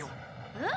えっ！？